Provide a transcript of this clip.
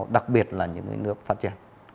đặc biệt là những nước phát triển